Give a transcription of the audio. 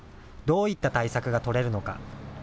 どういった対策が取れるのか。